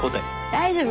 大丈夫。